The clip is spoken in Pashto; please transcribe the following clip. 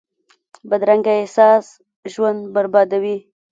بدرنګه احساس ژوند بربادوي